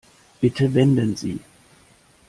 Bitte wenden Sie.